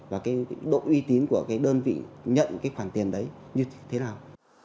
và cái độ uy tín của cái đơn vị nhận cái khoản tiền đấy như thế nào